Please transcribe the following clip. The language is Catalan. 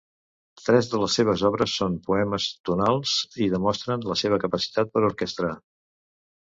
Tres de les seves obres són poemes tonals i demostren la seva capacitat per orquestrar.